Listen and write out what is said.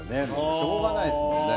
しょうがないですもんね。